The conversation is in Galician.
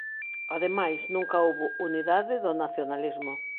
Ademais, nunca houbo unidade do nacionalismo.